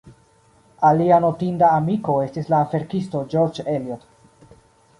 Alia notinda amiko estis la verkisto George Eliot.